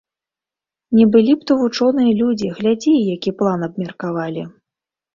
Не былі б то вучоныя людзі, глядзі, які план абмеркавалі.